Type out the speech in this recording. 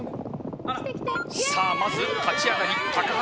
まず立ち上がり高橋